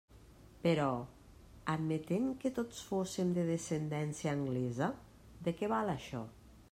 Però, admetent que tots fóssem de descendència anglesa, ¿de què val, això?